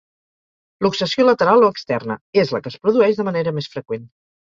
Luxació lateral o externa: és la que es produeix de manera més freqüent.